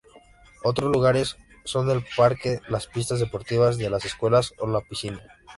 Otros lugares son el parque, las pistas deportivas de las escuelas o la piscina.